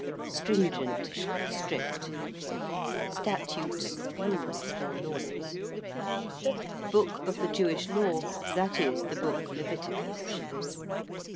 ~stringent~: strict. ~statutes~: rules or laws. ~Book of the Jewish Law~: that is, the book Leviticus.